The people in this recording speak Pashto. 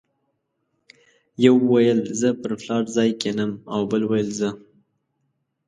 یو ویل زه پر پلار ځای کېنم او بل ویل زه.